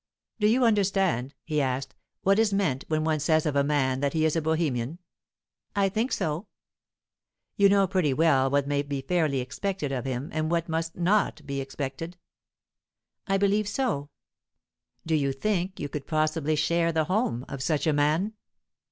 "Do you understand," he asked, "what is meant when one says of a man that he is a Bohemian?" "I think so." "You know pretty well what may be fairly expected of him, and what must not be expected?" "I believe so." "Do you think you could possibly share the home of such a man?"